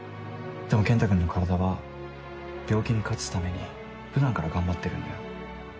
でも健太くんの体は病気に勝つために普段から頑張ってるんだよ。